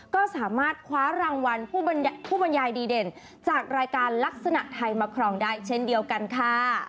ก็สามารถคว้ารางวัลผู้บรรยายดีเด่นจากรายการลักษณะไทยมาครองได้เช่นเดียวกันค่ะ